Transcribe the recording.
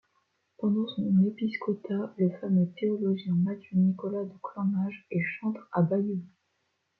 Pendant son épiscopat, le fameux théologien Matthieu-Nicolas de Clamanges est chantre à Bayeux.